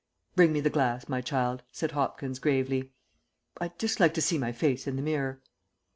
"Bring me the glass, my child," said Hopkins, gravely. "I I'd just like to see my face in the mirror."